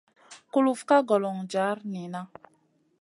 Kulufna ka golon jar niyna.